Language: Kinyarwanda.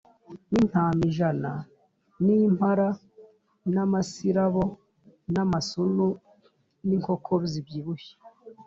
n’intama ijana n’impara n’amasirabo n’amasunu, n’inkoko zibyibushye